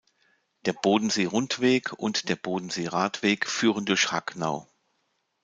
Der Bodensee-Rundweg und der Bodensee-Radweg führen durch Hagnau.